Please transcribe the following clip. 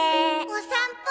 お散歩。